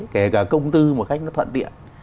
kể cả công tư một cách nó thuận tiện